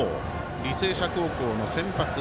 履正社高校の先発。